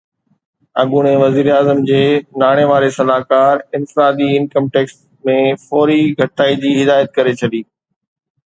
اڳوڻي وزيراعظم جي ناڻي واري صلاحڪار انفرادي انڪم ٽيڪس ۾ فوري گهٽتائي جي هدايت ڪري ڇڏي